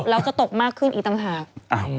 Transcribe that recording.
แล้วจะตกมากขึ้นอีกต่างหาก